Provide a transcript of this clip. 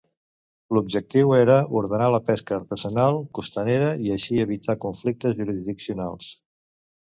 L'objectiu era ordenar la pesca artesanal costanera i així evitar conflictes jurisdiccionals.